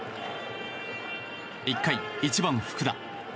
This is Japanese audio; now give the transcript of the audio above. １回、１番、福田。